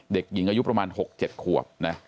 เด็กหญิงอายุประมาณ๖๗ขวบนะ